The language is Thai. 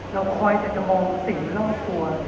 เราคอยจะมองสิ่งรอบสูง